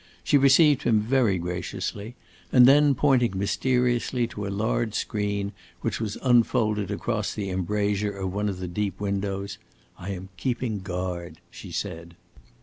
She received him very graciously, and then, pointing mysteriously to a large screen which was unfolded across the embrasure of one of the deep windows, "I am keeping guard!" she said.